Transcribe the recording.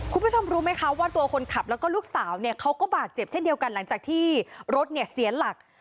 คุณผู้ชมรู้ไหมคะว่าตัวคนขับแล้วก็ลูกสาวเนี่ยเขาก็บาดเจ็บเช่นเดียวกันหลังจากที่รถเนี่ยเสียหลัก